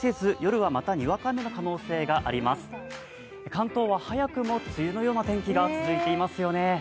関東は早くも梅雨のような天気が続いてますよね。